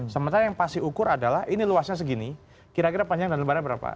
sementara yang pasti ukur adalah ini luasnya segini kira kira panjang dan lebarnya berapa